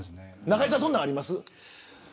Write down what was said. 中居さん、そんなんあります。